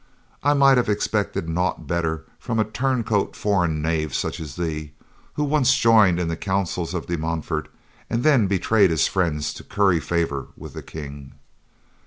"I might have expected naught better from a turncoat foreign knave such as thee, who once joined in the councils of De Montfort, and then betrayed his friends to curry favor with the King."